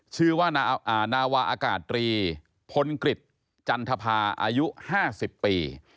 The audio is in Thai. ชื่อว่านาวาอากาศตรีพลกฤษจันทภาอายุ๕๐ปี